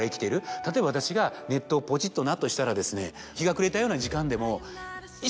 例えば私がネットをポチっとなとしたらですね。